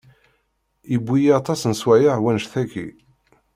Yewwi-yi aṭas n sswayeɛ wanect-aki.